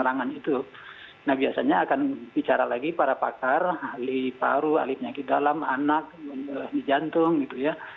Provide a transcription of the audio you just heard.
nah biasanya akan bicara lagi para pakar ahli paru ahli penyakit dalam anak di jantung gitu ya